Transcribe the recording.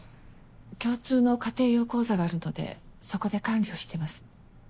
共通の家庭用口座があるのでそこで管理をしてます。